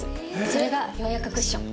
それが要約クッション。